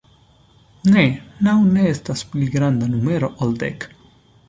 Ne, naŭ ne estas pli granda numero ol dek.